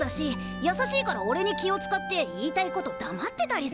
やさしいからおれに気をつかって言いたいことだまってたりするんすよ。